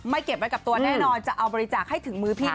เก็บไว้กับตัวแน่นอนจะเอาบริจาคให้ถึงมือพี่